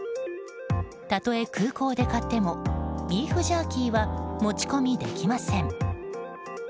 たとえ空港で買ってもビーフジャーキ−は持ち込みできません。